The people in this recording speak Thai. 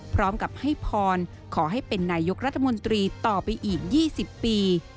พร้อมกับให้พรขอให้เป็นนายกรัฐมนตรีต่อไปอีก๒๐ปี